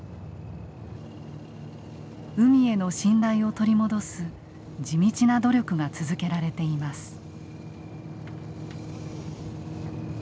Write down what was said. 海への信頼を取り戻す地道な努力が続けられています。